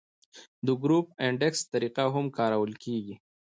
د ګروپ انډیکس طریقه هم کارول کیږي